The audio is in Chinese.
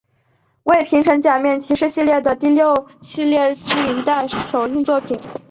为平成假面骑士系列的第六系列录影带首映作品。